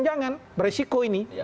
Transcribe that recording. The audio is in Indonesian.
jangan berisiko ini